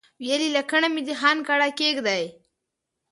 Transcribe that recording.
وويل يې لکڼه مې د خان کړه کېږدئ.